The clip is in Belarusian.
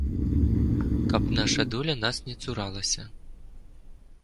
Каб наша доля нас не цуралася!